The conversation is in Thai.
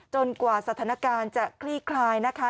กว่าสถานการณ์จะคลี่คลายนะคะ